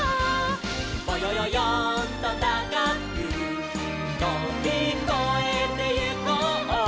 「ぼよよよんとたかくとびこえてゆこう」